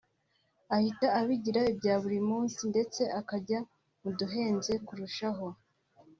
ahita abigira ibya buri munsi ndetse akajya mu duhenze kurushaho